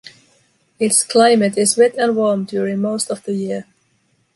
Its climate is wet and warm during most of the year.